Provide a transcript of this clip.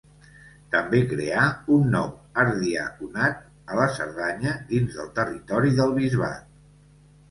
També creà un nou ardiaconat a la Cerdanya, dins del territori del bisbat.